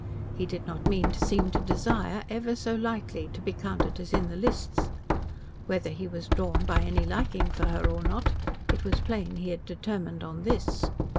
He did not mean to seem to desire, ever so lightly, to be counted as in the lists. Whether he was drawn by any liking for her or not, it was plain he had determined on this.